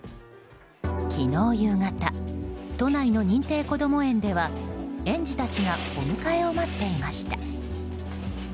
昨日夕方、都内の認定こども園では園児たちがお迎えを待っていました。